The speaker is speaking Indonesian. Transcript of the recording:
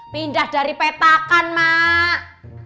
pindah dari petakan mak